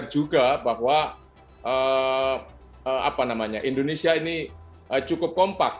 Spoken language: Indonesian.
ini harus dilihat secara fair juga bahwa indonesia ini cukup kompak